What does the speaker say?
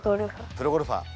プロゴルファー。